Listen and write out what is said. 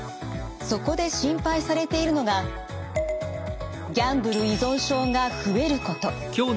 そこで心配されているのがギャンブル依存症が増えること。